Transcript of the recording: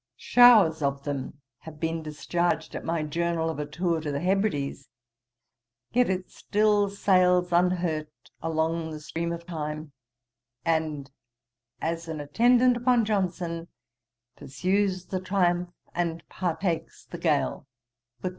Showers of them have been discharged at my Journal of a Tour to the Hebrides; yet it still sails unhurt along the stream of time, and, as an attendant upon Johnson, 'Pursues the triumph, and partakes the gale.'